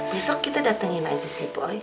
besok kita datengin aja si boy